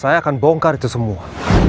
saya akan bongkar itu semua